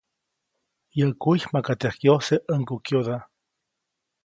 Yäʼ kuy makaʼt yajkyose ʼäŋgukyoda.